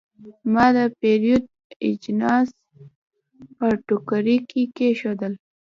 ما د پیرود اجناس په ټوکرۍ کې کېښودل.